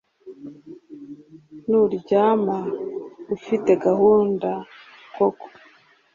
nuryama ufite gahunda koko